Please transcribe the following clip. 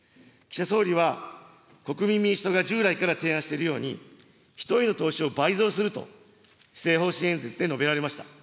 岸田総理は、国民民主党が従来から提案しているように、人への投資を倍増すると施政方針演説で述べられました。